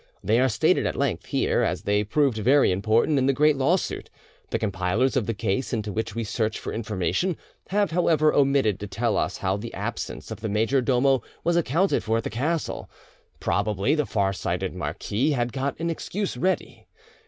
They are stated at length here, as they proved very important in the great lawsuit. The compilers of the case, into which we search for information, have however omitted to tell us how the absence of the major domo was accounted for at the castle; probably the far sighted marquis had got an excuse ready.